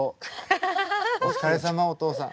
お疲れさまお父さん。